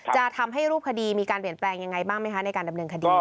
จะทำให้รูปคดีมีการเปลี่ยนแปลงยังไงบ้างไหมคะในการดำเนินคดี